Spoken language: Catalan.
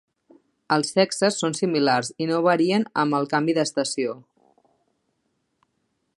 Els sexes són similars, i no varien amb el canvi d'estació.